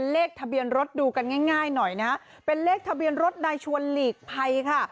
เลขทะเบียนรถดูกันง่ายหน่อยนะเป็นเลขทะเบียนรถนายชวนหลีกภัยค่ะ